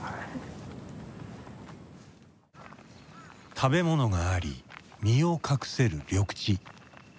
食べ物があり身を隠せる緑地。